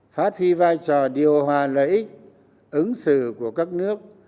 phát huy vai trò điều hòa lợi ích ứng xử của các nước